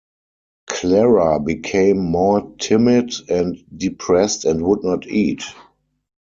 Clara became more timid and depressed and would not eat.